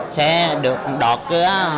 sẽ được đọc